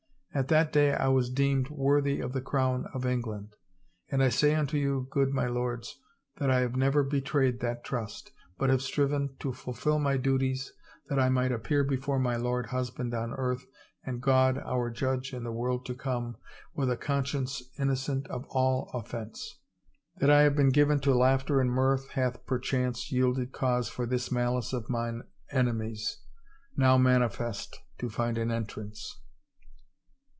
At that day I was deemed worthy of the crown of England, and I say unto you, good my lords, that I have never betrayed that trust, but have striven to fulfill my duties that I might appear before my lord husband on earth and God, our judge in the world to come, with a conscience innocent of all offense. That I have been given to laughter and mirth hath perchance yielded cause for this malice of mine enemies, now manifest, to find an entrance.